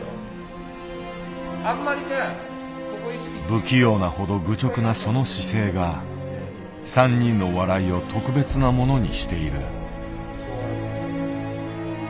不器用なほど愚直なその姿勢が３人の笑いを特別なものにしている。